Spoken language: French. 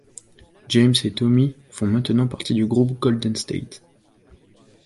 James et Tommy font maintenant partie du groupe Golden State.